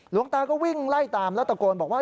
หลวงตาก็วิ่งไล่ตามแล้วตะโกนบอกว่า